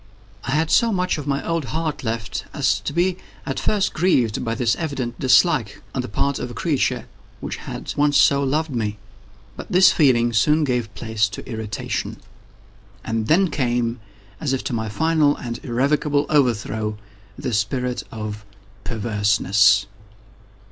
I had so much of my old heart left, as to be at first grieved by this evident dislike on the part of a creature which had once so loved me. But this feeling soon gave place to irritation. And then came, as if to my final and irrevocable overthrow, the spirit of PERVERSENESS.